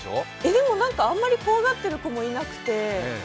でも何か、あんまり怖がってる子もいなくて。